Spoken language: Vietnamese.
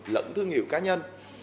lẫn thương hiệu cá nhân